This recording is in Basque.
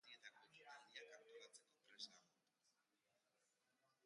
Testuinguru historikoa ere interesgarria da.